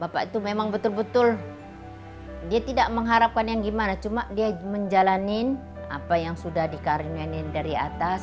bapak itu memang betul betul dia tidak mengharapkan yang gimana cuma dia menjalani apa yang sudah dikarenain dari atas